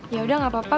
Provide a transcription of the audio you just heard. yaudah nggak apa apa